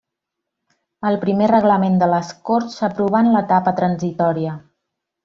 El primer Reglament de les Corts s'aprovà en l'etapa transitòria.